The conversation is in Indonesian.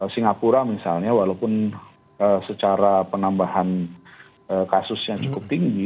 singapura misalnya walaupun secara penambahan kasusnya cukup tinggi